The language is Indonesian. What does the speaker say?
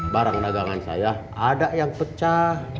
barang dagangan saya ada yang pecah